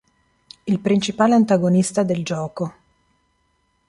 Il principale antagonista del gioco.